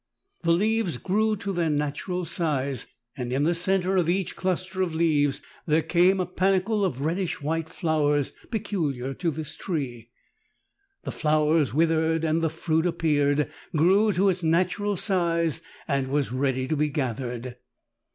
The leaves grew to their natural size, and in the center of each 100 THE TALKING HANDKERCHIEF. cluster of leaves there came a panicle of reddish white flowers, peculiar to this tree. The flowers withered and the fruit appeared, grew to its nat ural size and was ready to be gathered.